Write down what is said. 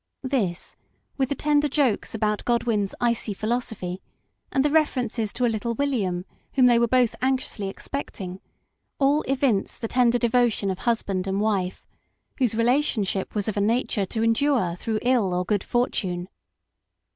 This, with the tender jokes about Godwin's icy philosophy, and the references to a little " William " whom they were both anxiously expecting, all evince the tender devotion of husband and wife, whose relationship was of a nature to endure through ill or good fortune.